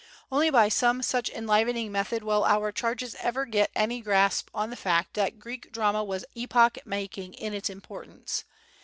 Only by some such enlivening method will our charges ever get any grasp on the fact that Greek drama was epoch making in its importance.